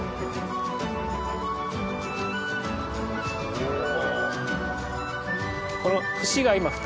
おお。